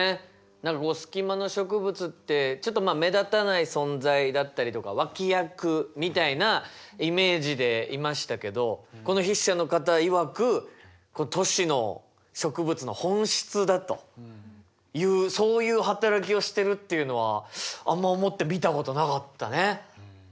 何かこうスキマの植物ってちょっとまあ目立たない存在だったりとか脇役みたいなイメージでいましたけどこの筆者の方いわく都市の植物の本質だというそういう働きをしてるっていうのはあんま思って見たことなかったね。